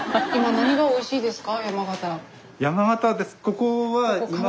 何がおいしいですか？